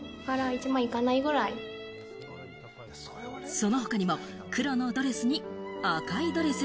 その他にも黒のドレスに赤いドレス。